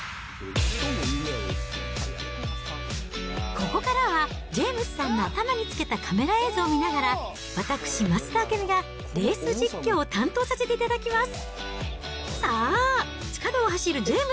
ここからはジェームスさんの頭に付けたカメラ映像を見ながら、私、増田明美がレース実況を担当させていただきます。